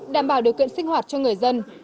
đảm bảo điều kiện sinh hoạt cho người dân